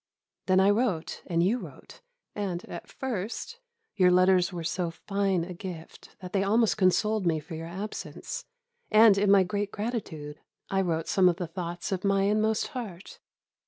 Then I wrote and you wrote, and, at first, your letters were so fine a gift that they almost consoled me for your absence, and, in my great gratitude, I wrote some of the thoughts of my inmost heart.